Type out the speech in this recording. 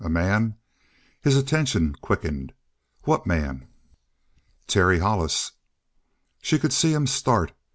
"A man?" His attention quickened. "What man?" "Terry Hollis." She could see him start.